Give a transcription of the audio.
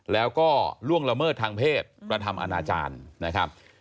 แล้วก็ล่วงละเมิดทางเพศกระทำอนาจารย์นะครับ